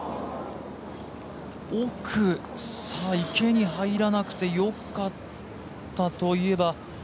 奥池に入らなくてよかったといえば。